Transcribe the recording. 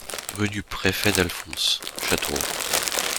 Rue du Préfet Dalphonse, Châteauroux